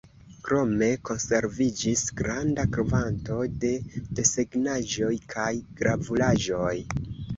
Krome konserviĝis granda kvanto de desegnaĵoj kaj gravuraĵoj.